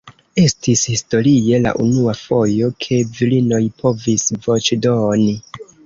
Estis historie la unua fojo ke virinoj povis voĉdoni.